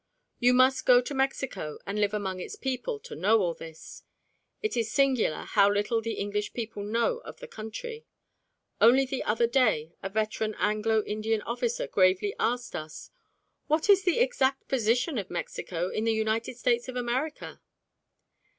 You must go to Mexico and live among its people to know all this. It is singular how little the English people know of the country. Only the other day a veteran Anglo Indian officer gravely asked us, "What is the exact position of Mexico in the United States of America?"